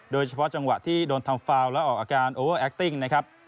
โดยเฉพาะจังหวะที่โดนทำฟาวและออกอาการโอแอคติ้งนะครับ